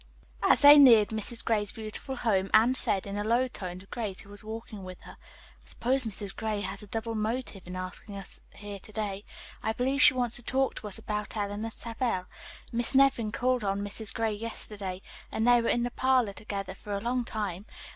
As they neared Mrs. Gray's beautiful home, Anne said in a low tone to Grace, who was walking with her, "I suppose Mrs. Gray has a double motive in asking us up here to day. I believe she wants to talk to us about Eleanor Savell. Miss Nevin called on Mrs. Gray yesterday and they were in the parlor together for a long time.